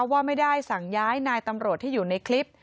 ว่าไม่ได้สั่งย้ายนายตำรวจที่อยู่ในคลิป